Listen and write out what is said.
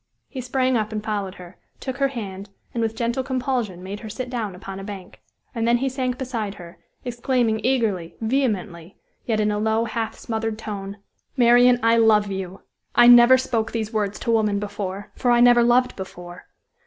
He sprang up and followed her, took her hand, and, with gentle compulsion, made her sit down upon a bank; and then he sank beside her, exclaiming eagerly, vehemently, yet in a low, half smothered tone: "Marian, I love you! I never spoke these words to woman before, for I never loved before.